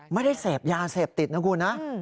ไม่ได้เสพยาเสพติดนะคุณนะ